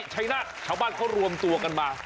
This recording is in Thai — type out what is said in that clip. ชายนาฬเขารวมตัวกันมา